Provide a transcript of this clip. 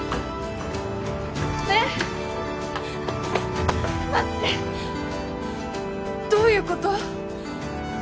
ねえ待ってどういうこと？